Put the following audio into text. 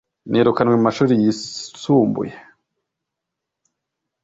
nirukanwe mu mashuri yisumbuye